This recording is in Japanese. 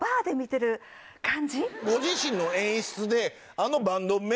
ご自身の演出で。